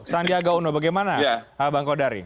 sandiaga uno bagaimana bang kodari